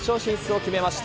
決めました。